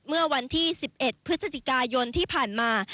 เมื่อวันที่๑๑พฤศจิกายนที่ผ่านมา